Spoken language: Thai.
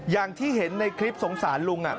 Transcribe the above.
อย่างที่เห็นในคลิปสงสารลุง